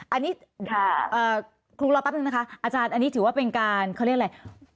อันนี้ครูรอแป๊บนึงนะคะอาจารย์อันนี้ถือว่าเป็นการเขาเรียกอะไร